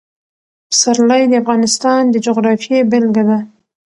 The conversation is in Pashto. پسرلی د افغانستان د جغرافیې بېلګه ده.